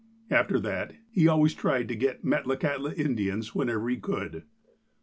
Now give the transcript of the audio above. After that, he always tried to get Metlakahtla Indians whenever he could.